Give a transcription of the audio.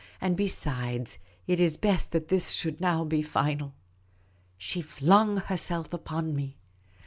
And be sides, it is best that this should now be final." She flung herself upon me.